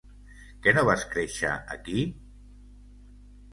Que no vas créixer aquí?